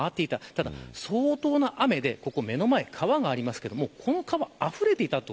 ただ相当な雨で目の前に川がありますがこの川があふれていた。